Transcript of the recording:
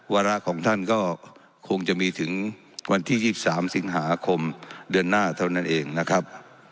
วาระของท่านก็คงจะมีถึงวันที่๒๓สิงหาคมเดือนหน้าเท่านั้นเองนะครับ